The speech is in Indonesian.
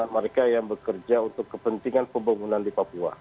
mereka yang bekerja untuk kepentingan pembangunan di papua